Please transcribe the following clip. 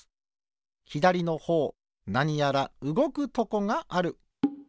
ひだりのほうなにやらうごくとこがある。